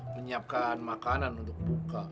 menyiapkan makanan untuk buka